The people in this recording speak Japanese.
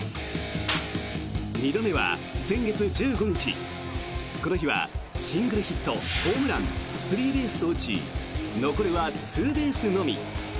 ２度目は先月１５日、この日はシングルヒット、ホームランスリーベースと打ち残るはツーベースのみ。